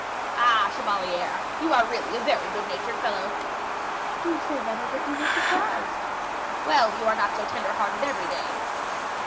"Ah! chevalier, you are really a very good natured fellow." "You say that as if you were surprised." "Well, you are not so tender hearted every day."